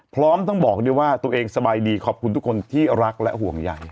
พร้อมทั้งบอกด้วยว่าตัวเองสบายดีขอบคุณทุกคนที่รักและห่วงใหญ่